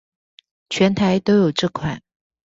全台都有這款